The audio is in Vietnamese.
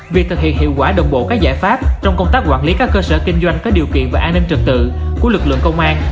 việc thực hiện hiệu quả đồng bộ các giải pháp trong công tác quản lý các cơ sở kinh doanh có điều kiện và an ninh trật tự của lực lượng công an